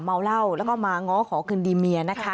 เมาเหล้าแล้วก็มาง้อขอคืนดีเมียนะคะ